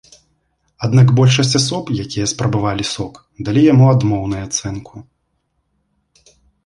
Аднак большасць асоб, якія спрабавалі сок, далі яму адмоўную ацэнку.